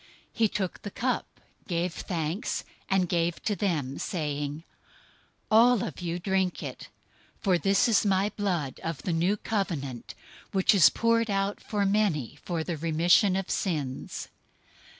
026:027 He took the cup, gave thanks, and gave to them, saying, "All of you drink it, 026:028 for this is my blood of the new covenant, which is poured out for many for the remission of sins.